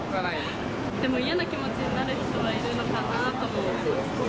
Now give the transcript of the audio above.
でも、嫌な気持ちになる人はいるのかなとは思います。